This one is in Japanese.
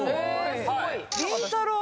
りんたろー。